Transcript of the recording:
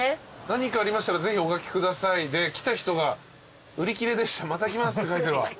何かありましたらぜひお書きくださいで来た人が売り切れでしたまた来ますって書いてるわ。